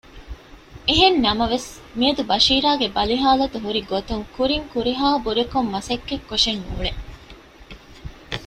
އެހެންނަމަވެސް މިއަދު ބަޝީރާގެ ބަލިހާލަތު ހުރިގޮތުން ކުރިން ކުރިހާ ބުރަކޮން މަސައްކަތް ކޮށެއް ނޫޅެވެ